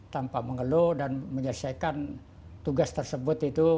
tanpa mengeluh dan menyelesaikan tugas tersebut itu